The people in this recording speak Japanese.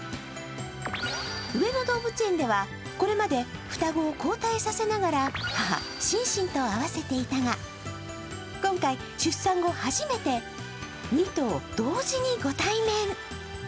上野動物園では、これまで双子を交代させながら母・シンシンと会わせていたが、今回、出産後、初めて２頭同時にご対面。